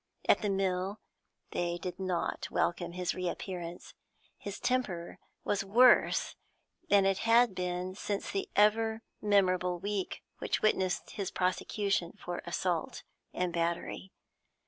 At the mill, they did not welcome his re appearance; his temper was worse than it had been since the ever memorable week which witnessed his prosecution for assault and battery.